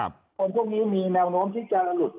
บ่นพวกนี้มีแนวโน้มที่จะลุดลกพร้อมหมดเลยนะครับ